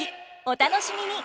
お楽しみに！